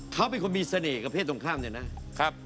เขาเป็นคนมีเสน่ห์กับเพศตรงข้ามเนี่ยนะครับ